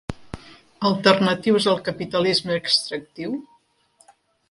Alternatius al capitalisme extractiu?